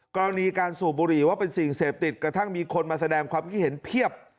กรณีการสูบบุหรี่ว่าเป็นสิ่งเสพติดกระทั่งมีคนมาแสดงความคิดเห็นเพียบ